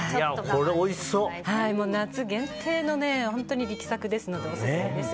夏限定の本当に力作ですのでオススメです。